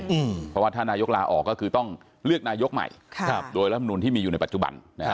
เพราะว่าถ้านายกลาออกก็คือต้องเลือกนายกใหม่โดยรัฐมนุนที่มีอยู่ในปัจจุบันนะฮะ